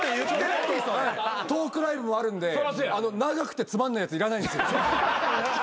トークライブもあるんで長くてつまんないやついらないんすよ。